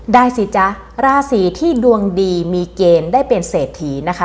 ได้สิจ๊ะราศีที่ดวงดีมีเกณฑ์ได้เป็นเศรษฐีนะคะ